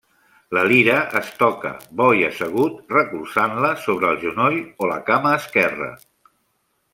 La lira es toca bo i assegut, recolzant-la sobre el genoll o la cama esquerra.